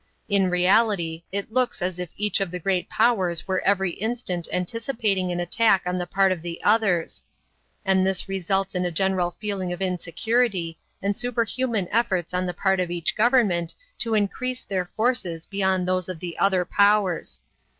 In reality it looks as if each of the great powers were every instant anticipating an attack on the part of the others. And this results in a general feeling of insecurity and superhuman efforts on the part of each government to increase their forces beyond those of the other powers.